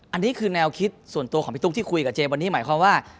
อันนี้คือแนวคิดส่วนตัวของพี่ตุ๊กที่คุยกับเจมวันนี้หมายความว่า